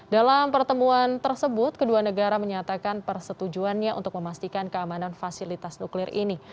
dalam pertemuan tersebut kedua negara menyatakan persetujuannya untuk memastikan keamanan fasilitas nuklir ini